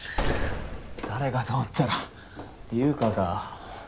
誰かと思ったら優香か。